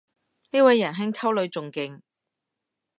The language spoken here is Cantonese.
呢位人兄溝女仲勁